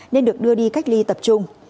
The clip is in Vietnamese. nên được đưa đi cách ly tập trung